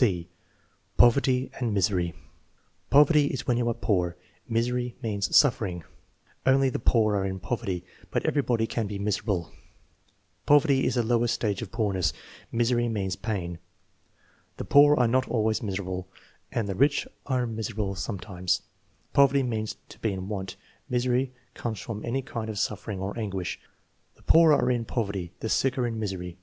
(c) Poverty and misery. "Poverty is when you are poor; misery means suffering." "Only the poor are in poverty, but everybody can be miserable." " Poverty is the lowest stage of poorness ; misery means pain." "The poor are not always miserable, and the rich are miserable sometimes." "Poverty means to be in want; misery comes from any kind of suffering or anguish." "The poor are in poverty; the sick are in misery."